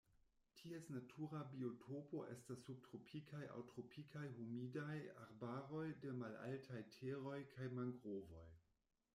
Ties natura biotopo estas subtropikaj aŭ tropikaj humidaj arbaroj de malaltaj teroj kaj mangrovoj.